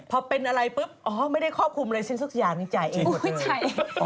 พอเป็นอะไรปุ๊บอ๋อไม่ได้ควบคุมอะไรสิ้นทุกอย่างจ่ายเองหมดเลย